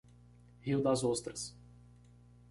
Rio Das Ostras